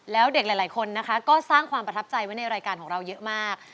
แล้วเด็กหลายคนนะคะก็สร้างความประทับใจไว้ในรายการของเราเยอะมาก